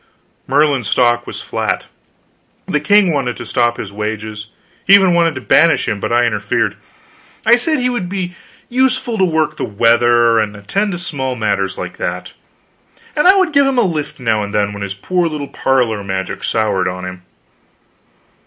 Merlin's stock was flat. The king wanted to stop his wages; he even wanted to banish him, but I interfered. I said he would be useful to work the weather, and attend to small matters like that, and I would give him a lift now and then when his poor little parlor magic soured on him.